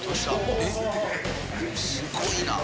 すごいな。